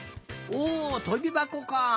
おとびばこかあ。